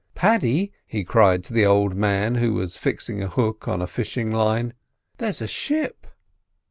"Paddy," he cried to the old man, who was fixing a hook on a fishing line, "there's a ship!"